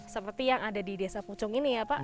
seperti yang ada di desa pucung ini ya pak